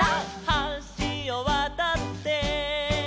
「はしをわたって」